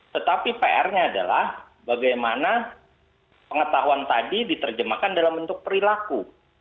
tetapi pr nya adalah bagaimana pengetahuan tadi diterjemahkan dalam bentuk perilaku